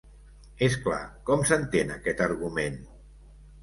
És clar, com s’entén aquest argument?